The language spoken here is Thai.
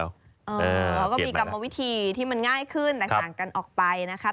เขาก็มีกรรมวิธีที่มันง่ายขึ้นแตกต่างกันออกไปนะคะ